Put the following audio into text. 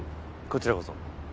こちらこそ。